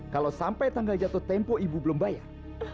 kalau sampai tanggal jatuh tempo ibu belum bayar